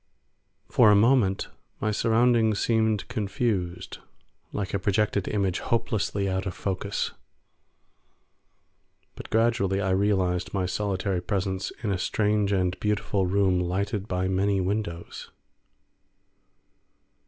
For a moment my surroundings seemed confused, like a projected image hopelessly out of focus, but gradually I realised my solitary presence in a strange and beautiful room lighted by many windows.